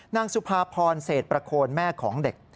นางสุภาพรเศษประโคนแม่ของเด็ก